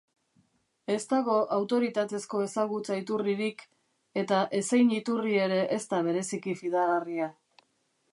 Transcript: Ez dago autoritatezko ezagutza iturririk eta ezein iturri ere ez da bereziki fidagarria.